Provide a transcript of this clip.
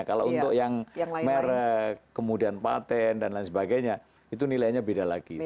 kalau untuk yang merek kemudian patent dan lain sebagainya itu nilainya beda lagi